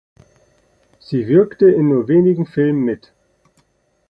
Sie wirkte in nur wenigen Filmen mit.